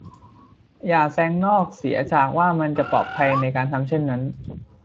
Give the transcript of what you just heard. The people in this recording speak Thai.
อย่าแซงนอกเสียจากว่ามันจะปลอดภัยในการทำเช่นนั้น